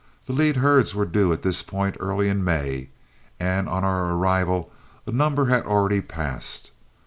The lead herds were due at this point early in May, and on our arrival a number had already passed.